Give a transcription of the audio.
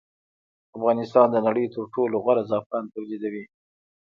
افغانستان د نړۍ تر ټولو غوره زعفران تولیدوي